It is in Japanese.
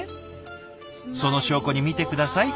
その証拠に見て下さい。